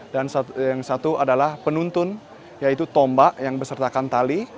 dan yang satu adalah penuntun yaitu tombak yang bersertakan tali